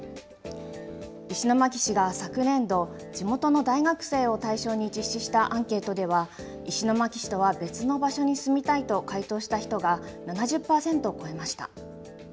石巻市が昨年度、地元の大学生を対象に実施したアンケートでは、石巻市とは別の場所に住みたいと、回答した人が７０％を超えました。